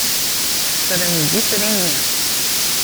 Ffren deg yifri-nni.